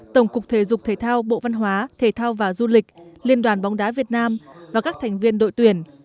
tổng cục thể dục thể thao bộ văn hóa thể thao và du lịch liên đoàn bóng đá việt nam và các thành viên đội tuyển